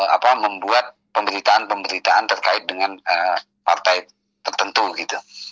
apa membuat pemberitaan pemberitaan terkait dengan partai tertentu gitu